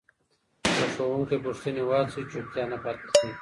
که ښوونکی پوښتني وهڅوي، چوپتیا نه پاته کېږي.